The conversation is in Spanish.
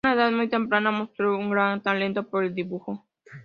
A una edad muy temprana, mostró gran talento para el dibujo.